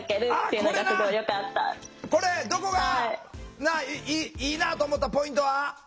これどこがいいなあと思ったポイントは？